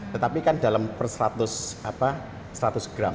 tetapi kan dalam per seratus gram